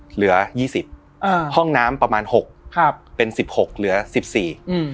เหลือยี่สิบอ่าห้องน้ำประมาณหกครับเป็นสิบหกเหลือสิบสี่อืม